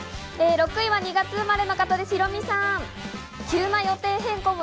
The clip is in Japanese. ６位は２月生まれの方、ヒロミさん。